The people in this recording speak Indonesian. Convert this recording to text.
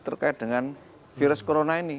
terkait dengan virus corona ini